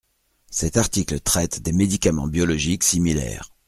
Cet article traite des médicaments biologiques similaires.